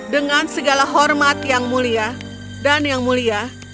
dengan segala hormat yang mulia dan yang mulia